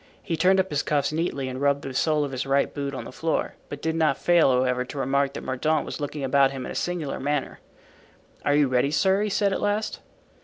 He turned up his cuffs neatly and rubbed the sole of his right boot on the floor, but did not fail, however, to remark that Mordaunt was looking about him in a singular manner. "Are you ready, sir?" he said at last.